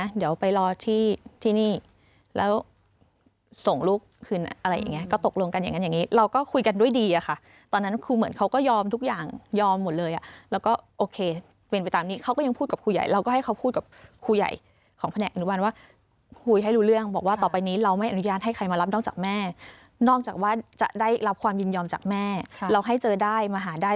อะไรอย่างเงี้ยก็ตกลงกันอย่างงั้นอย่างงี้เราก็คุยกันด้วยดีอ่ะค่ะตอนนั้นคุณเหมือนเขาก็ยอมทุกอย่างยอมหมดเลยอ่ะแล้วก็โอเคเป็นไปตามนี้เขาก็ยังพูดกับคุณใหญ่เราก็ให้เขาพูดกับคุณใหญ่ของแผนกการุบันว่าคุยให้รู้เรื่องบอกว่าต่อไปนี้เราไม่อนุญาตให้ใครมารับนอกจากแม่นอกจากว่าจะได้รับความยินยอมจากแม่เราให